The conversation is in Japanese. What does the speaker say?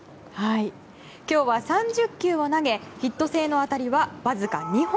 今日は３０球を投げヒット性の当たりはわずか２本。